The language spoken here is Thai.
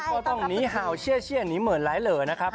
ก็ต้องนีฮาวเชี่ยนี้เหมือนหลายเหลอนะครับ